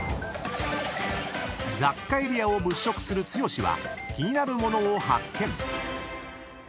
［雑貨エリアを物色する剛は気になる物を発見］